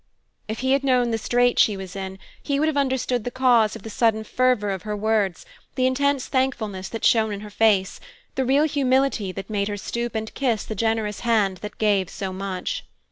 If he had known the strait she was in, he would have understood the cause of the sudden fervor of her words, the intense thankfulness that shone in her face, the real humility that made her stoop and kiss the generous hand that gave so much.